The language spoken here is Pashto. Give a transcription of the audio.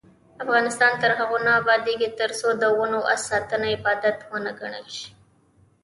افغانستان تر هغو نه ابادیږي، ترڅو د ونو ساتنه عبادت ونه ګڼل شي.